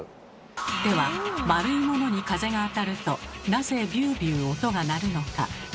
では丸いものに風が当たるとなぜ「ビュービュー」音がなるのか。